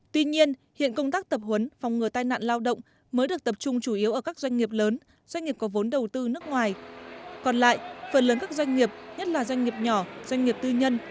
tuy nhiên hiện công tác tập huấn phòng ngừa tai nạn lao động mới được tập trung chủ yếu ở các doanh nghiệp lớn